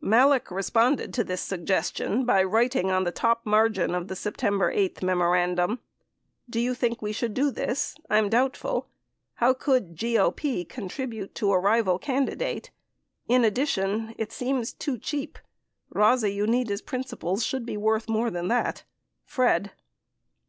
36 Malek responded to this suggestion by writing on the top margin of the September 8 memorandum : Do you think we should do this ? I am doubtful — how could GOP contribute to a rival candidate ? In addition, it seems too cheap— Baza Unida's principles should be worth more than that — Fred.